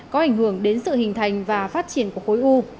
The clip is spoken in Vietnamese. có ảnh hưởng đến sự hình thành và phát triển của khối u